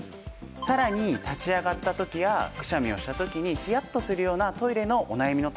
さらに立ち上がった時やくしゃみをした時にヒヤッとするようなトイレのお悩みの対策にもなるんです。